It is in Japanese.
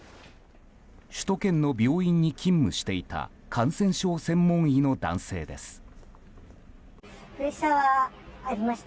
首都圏の病院に勤務していた感染症専門医の男性です。